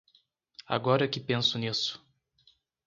Agora que penso nisso.